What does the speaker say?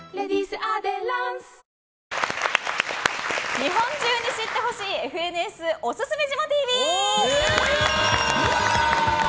日本中に知ってほしいＦＮＳおすすめジモＴＶ！